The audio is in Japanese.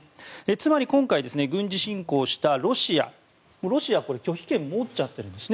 つまり今回、軍事侵攻をしたロシアは拒否権を持っちゃっているんです。